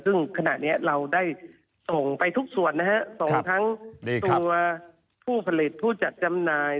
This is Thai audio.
ซึ่งขณะนี้เราได้ส่งไปทุกส่วนนะฮะส่งทั้งตัวผู้ผลิตผู้จัดจำหน่าย